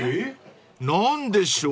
［何でしょう？］